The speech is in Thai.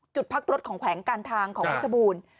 จุดพักรถของแขวงการทางของเพชรบูรณ์